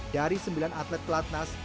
dari sembilan atlet pelatnas